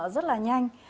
rất là nhanh